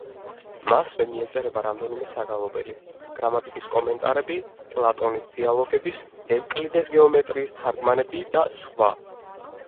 მასვე მიეწერება რამდენიმე საგალობელი, გრამატიკის კომენტარები, პლატონის დიალოგების, ევკლიდეს „გეომეტრიის“ თარგმანები და სხვა.